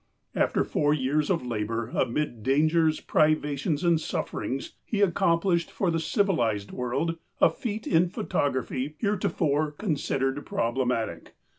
" After four years of labor amid dangers, privations, and sufferings, he accomplished for the civilized world a feat in photography heretofore considered problematic.